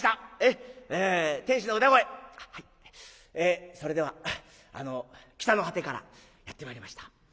「えそれではあの北の果てからやって参りました。